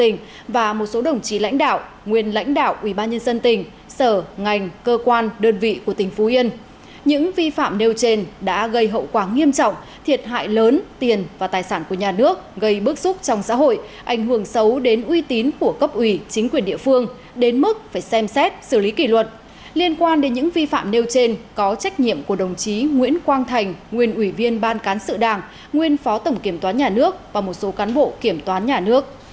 phạm đình cự nguyên ủy viên ban cán sự đảng nguyên phó bí thư ban cán sự đảng nguyên phó chủ tịch thường trực ubnd